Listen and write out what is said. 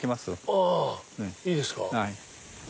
あぁいいですか。